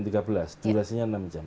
durasinya enam jam